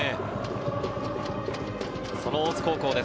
その大津高校です。